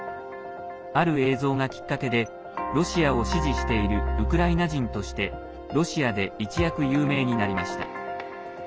ある映像がきっかけでロシアを支持しているウクライナ人としてロシアで一躍有名になりました。